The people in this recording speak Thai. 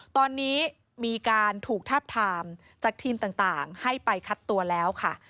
ตอนนี้มีการถูกทาบทามจากทีมต่างให้ไปคัดตัวแล้วค่ะ